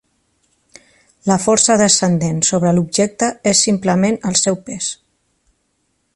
La força descendent sobre l'objecte és simplement el seu pes.